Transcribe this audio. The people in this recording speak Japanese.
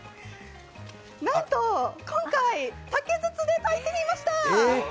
なんと、今回、竹筒で炊いてみました！